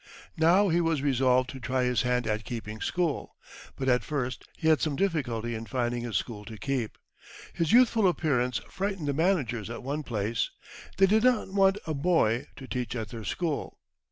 Now he was resolved to try his hand at "keeping school." But at first he had some difficulty in finding a school to keep. His youthful appearance frightened the managers at one place; they did not want "a boy to teach at their school."